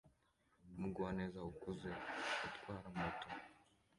Umugwaneza ukuze utwara moto